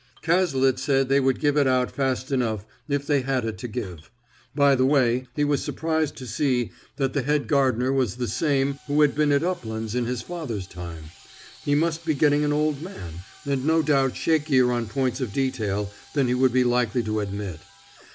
Cazalet said they would give it out fast enough if they had it to give. By the way, he was surprised to see that the head gardener was the same who had been at Uplands in his father's time; he must be getting an old man, and no doubt shakier on points of detail than he would be likely to admit.